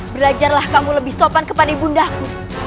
belajarlah kamu lebih sopan kepada ibundaku